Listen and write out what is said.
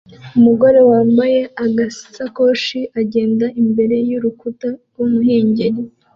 Umugore wambaye agasakoshi agenda imbere y'urukuta rw'umuhengeri